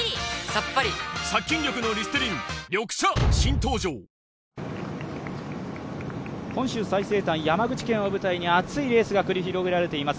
東京海上日動本州最西端・山口県を舞台に熱いレースが繰り広げられています。